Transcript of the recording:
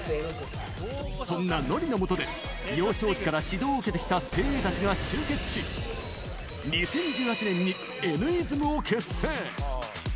そんなＮＯＲＩの下で、幼少期から指導を受けてきた精鋭たちが集結し、２０１８年にＮ’ｉｓｍを結成。